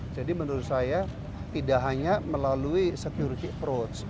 jadi menurut saya tidak hanya melalui security approach